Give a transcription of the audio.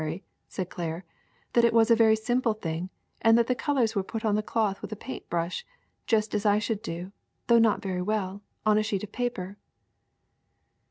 ry,'' said Claire, that it was a very simple thing and that the colors were put on the cloth with a paint brush just as I should do, though not very well, on a sheet of paper.'